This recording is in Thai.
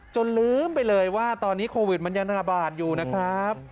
ลืมไปเลยว่าตอนนี้โควิดมันยังระบาดอยู่นะครับ